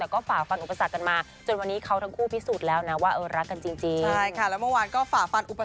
ก็ฝ่าฟันอุปสรรคเหมือนกันนะ